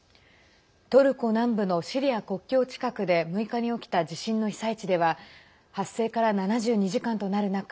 トルコ南部のシリア国境近くで６日に起きた地震の被災地では発生から７２時間となる中